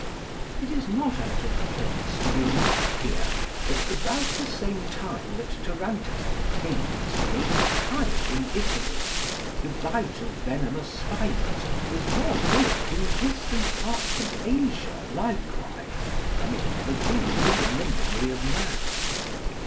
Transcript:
It is not out of place to remark here that, about the same time that tarantism attained its greatest height in Italy, the bite of venomous spiders was more feared in distant parts of Asia likewise than it had ever been within the memory of man.